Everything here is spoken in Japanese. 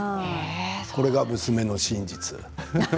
これが娘の真実。